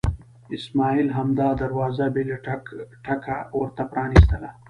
اسماعیل همدا دروازه بې له ټک ټکه ورته پرانستله.